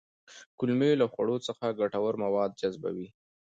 کولمې له خوړو څخه ګټور مواد جذبوي